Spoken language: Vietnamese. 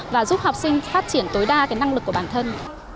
và giúp học sinh phát triển tối đa năng lực của bản thân